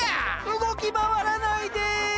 動き回らないで！